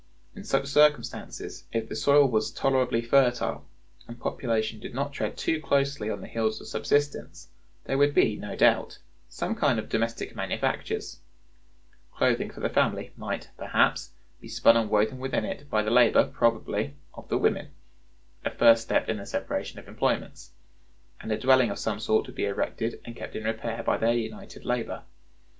In such circumstances, if the soil was tolerably fertile, and population did not tread too closely on the heels of subsistence, there would be, no doubt, some kind of domestic manufactures; clothing for the family might, perhaps, be spun and woven within it, by the labor, probably, of the women (a first step in the separation of employments); and a dwelling of some sort would be erected and kept in repair by their united labor.